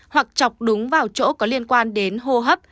hoặc chọc đúng vào chỗ có liên quan đến hô hấp